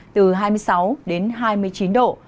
từ hai mươi sáu đến hai mươi chín độ